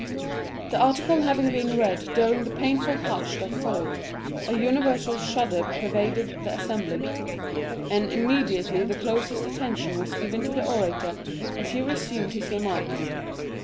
The article having been read during the painful hush that followed, a universal shudder pervaded the assembly, and immediately the closest attention was given to the orator as he resumed his remarks.